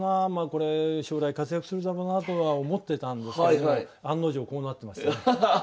これ将来活躍するだろうなとは思ってたんですけど案の定こうなってますね。